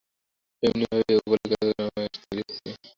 এমনিভাবেই ও বলে গেল, কেন ও আমায় আসতে লিখেছে।